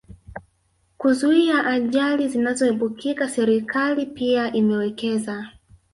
kuzuia ajali zinazoepukika Serikali pia imewekeza